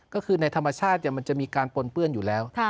ก็คือในธรรมชาติมันจะมีการปนเปื้อนอยู่แล้ว